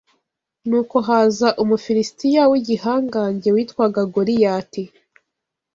Nuko haza Umufilisitiya w’igihangange witwaga Goliyati